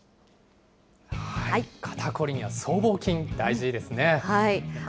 肩凝りには僧帽筋、大事ですね。